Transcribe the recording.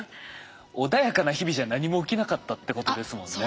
穏やかな日々じゃ何も起きなかったってことですもんね。